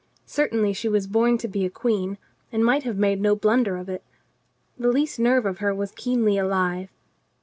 Certainly she was born to be a queen and might have made no blunder of it. The least nerve of her was keenly alive.